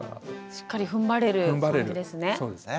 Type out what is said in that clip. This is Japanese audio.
しっかりふんばれる感じですね。